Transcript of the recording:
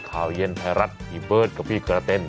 ข่าวเย็นไทยรัฐอีเบิร์ตกับพี่กระเต้น